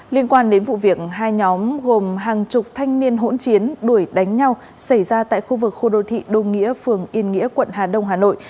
liên quan đến vụ việc hai nhóm gồm hàng chục thanh niên hỗn chiến đuổi đánh nhau xảy ra tại khu vực khu đô thị đô nghĩa phường yên nghĩa quận hà đông hà nội